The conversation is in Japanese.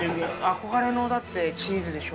憧れのだってチーズでしょ？